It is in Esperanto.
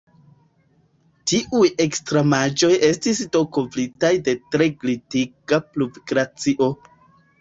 Tiuj ekstremaĵoj estis do kovritaj de tre glitiga pluvglacio.